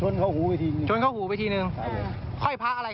ชนเข้าหูไปทีหนึ่งชนเข้าหูไปทีหนึ่งใช่เลยค่อยพักอะไรครับเนี้ย